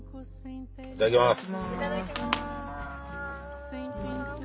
いただきます。